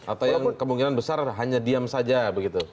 atau yang kemungkinan besar hanya diam saja begitu